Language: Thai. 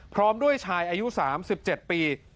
พร้อมด้วยชายอายุ๓๗ปี